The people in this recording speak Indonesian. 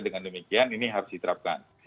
dengan demikian ini harus diterapkan